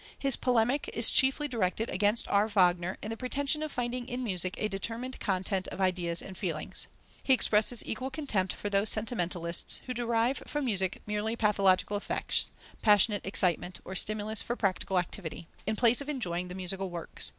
His polemic is chiefly directed against R. Wagner and the pretension of finding in music a determined content of ideas and feelings. He expresses equal contempt for those sentimentalists who derive from music merely pathological effects, passionate excitement, or stimulus for practical activity, in place of enjoying the musical works.